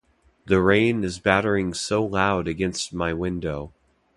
The rain is battering so loud against my window.